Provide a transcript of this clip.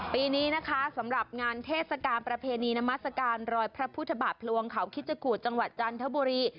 ปีนี้นะคะสำหรับงานเทศกาลประเพณีนามัศกาลรอยพระพุทธบาทพลวงเขาคิดจกูจังหวัดจันทบุรี